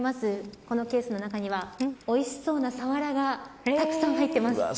このケースの中にはおいしそうなサワラがたくさん入ってます。